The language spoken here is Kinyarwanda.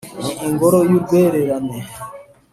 ni ingoro y’urwererane